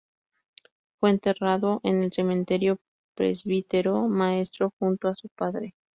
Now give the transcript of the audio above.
Fue enterrado en el Cementerio Presbítero Maestro, junto a su padre.